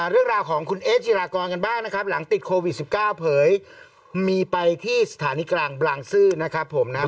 เรื่องราวของคุณเอ๊จิรากรกันบ้างนะครับหลังติดโควิด๑๙เผยมีไปที่สถานีกลางบางซื่อนะครับผมนะครับ